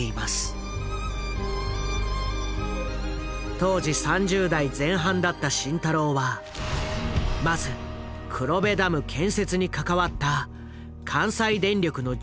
当時３０代前半だった慎太郎はまず黒部ダム建設に関わった関西電力の重役にじか談判。